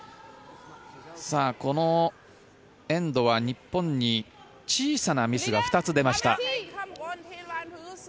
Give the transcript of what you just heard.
このエンドは日本に小さなミスが２つ出ました。